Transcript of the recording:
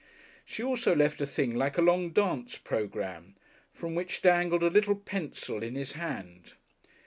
She also left a thing like a long dance programme, from which dangled a little pencil in his hand.